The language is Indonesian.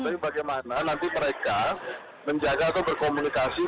tapi bagaimana nanti mereka menjaga atau berkomunikasi